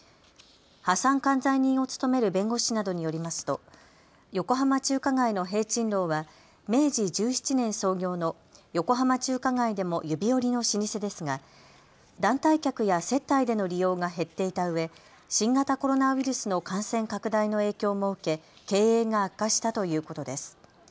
破産管財人を務める弁護士などによりますと横浜中華街の聘珍樓は明治１７年創業の横浜中華街でも指折りの老舗ですが団体客や接待での利用が減っていたうえ新型コロナウイルスの感染拡大の影響も受け経営が悪化したということです。